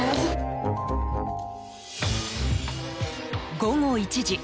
午後１時。